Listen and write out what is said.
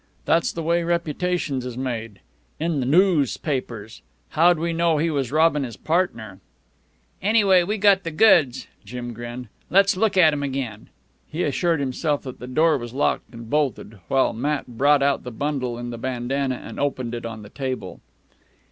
"That's the way reputations is made ... in the noos papers. How'd we know he was robbin' his pardner?" "Anyway, we've got the goods," Jim grinned. "Let's look at 'em again." He assured himself that the door was locked and bolted, while Matt brought out the bundle in the bandana and opened it on the table.